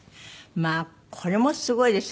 まあこれもすごいですよ。